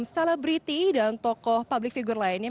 celebrity dan tokoh public figure lainnya